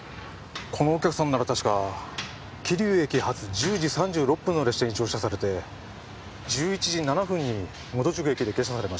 このお客さんなら確か桐生駅発１０時３６分の列車に乗車されて１１時７分に本宿駅で下車されました。